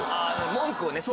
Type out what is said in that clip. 文句をね。